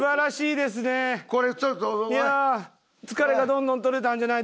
いやあ疲れがどんどん取れたんじゃないですか？